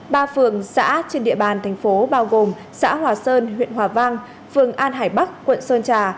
ba phường xã trên địa bàn thành phố bao gồm xã hòa sơn huyện hòa vang phường an hải bắc quận sơn trà